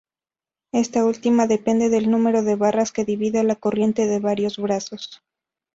Esta última depende del número de barras que divide la corriente en varios brazos.